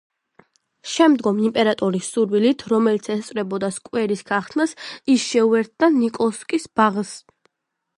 შემდგომ იმპერატორის სურვილით, რომელიც ესწრებოდა სკვერის გახსნას, ის შეუერთდა ნიკოლსკის ბაღს.